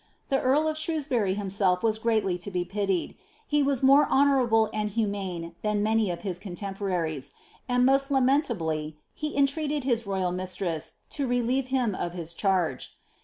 The earl of Shrewsbury himself was greatly to be pitied ; he was more honourable and humane than many of his contemporaries, and most la mentably he entreated his royal mistress to relieve him of his charge.